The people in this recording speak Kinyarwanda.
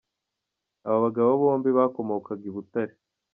Aba bagabo bombi bakomokaga i Butare.